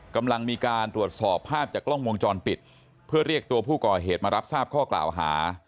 กำลังมีการตรวจสอบภาพจากกล้องวงจรปิดเพื่อเรียกตัวผู้ก่อเหตุมารับทราบข้อกล่าวหา